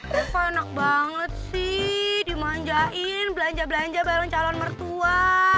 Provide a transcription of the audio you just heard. rasa enak banget sih dimanjain belanja belanja bareng calon mertua